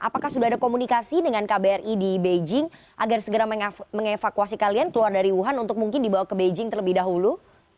apakah sudah ada komunikasi dengan kbri di beijing agar segera mengevakuasi kalian keluar dari wuhan untuk mungkin dibawa ke beijing terlebih dahulu